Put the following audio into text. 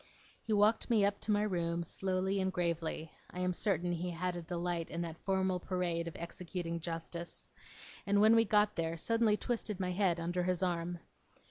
He walked me up to my room slowly and gravely I am certain he had a delight in that formal parade of executing justice and when we got there, suddenly twisted my head under his arm.